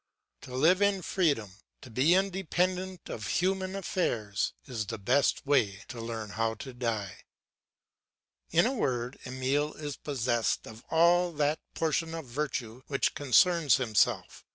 To live in freedom, and to be independent of human affairs, is the best way to learn how to die. In a word Emile is possessed of all that portion of virtue which concerns himself.